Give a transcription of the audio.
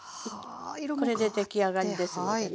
これで出来上がりですのでね。